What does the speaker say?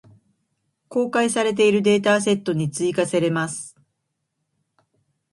公開されているデータセットに追加せれます。